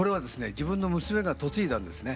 自分の娘が嫁いだんですね。